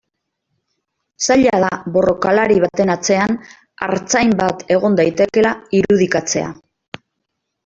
Zaila da borrokalari baten atzean artzain bat egon daitekeela irudikatzea.